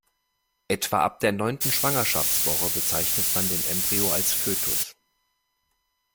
Etwa ab der neunten Schwangerschaftswoche bezeichnet man den Embryo als Fötus.